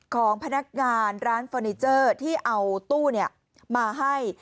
ของพนักงานร้านเฟอร์นิเจอร์ที่เอาตู้มาให้